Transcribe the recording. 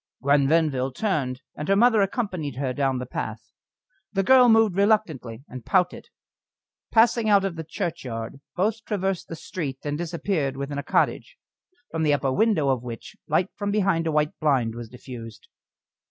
Gwen Venville turned, and her mother accompanied her down the path. The girl moved reluctantly, and pouted. Passing out of the churchyard, both traversed the street and disappeared within a cottage, from the upper window of which light from behind a white blind was diffused.